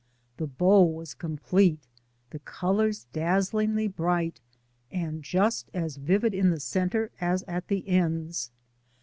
The bow was complete, the colors dazzlingly bright and just as vivid in the center as at the ends.